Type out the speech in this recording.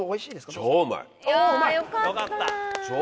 あよかった。